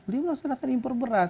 beliau melaksanakan impor beras